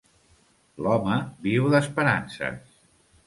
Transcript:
L'home viu d'esperances.